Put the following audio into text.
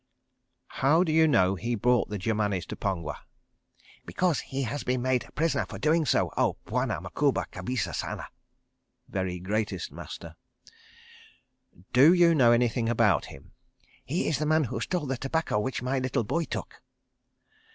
"How do you know he brought the Germanis to Pongwa?" "Because he has been made prisoner for doing so, oh, Bwana Macouba Kabeesa Sana (Very Greatest Master)." "Do you know anything about him?" "He is the man who stole the tobacco which my little boy took."